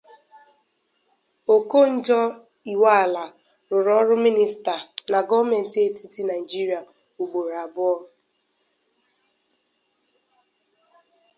Okonjo-Iweala rụrụ ọrụ mịnịsta na Gọọmentị Etiti Naịjiria ugboro abụọ.